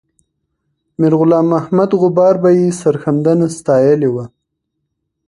میرغلام محمد غبار به یې سرښندنه ستایلې وه.